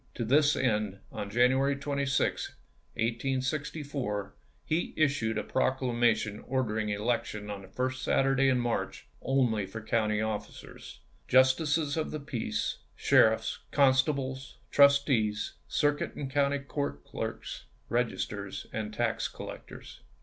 To this end, on January 26, 1864, he issued a proclamation order ing an election on the first Saturday in March, only for county officers, "Justices of the peace, sheriffs, constables, trustees, circuit and county court clerks, registers and tax collectors."